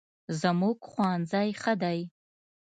زموږ ښوونځی ښه دی